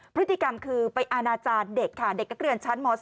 พฤติกรรมคือไปอาณาจารย์เด็กค่ะเด็กนักเรียนชั้นม๒